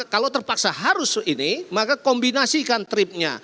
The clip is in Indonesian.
kalau terpaksa harus ini maka kombinasikan tripnya